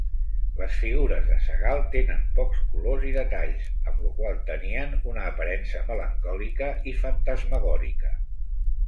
Les figures de Segal tenen pocs colors i detalls, amb lo qual tenien una aparença melancòlica i fantasmagòrica.